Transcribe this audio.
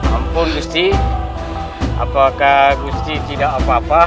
ampun gusti apakah gusti tidak apa apa